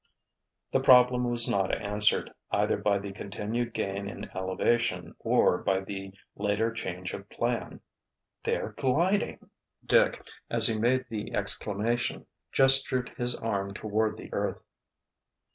The problem was not answered, either by the continued gain in elevation or by the later change of plan. "They're gliding!" Dick, as he made the exclamation, gestured with his arm toward the earth.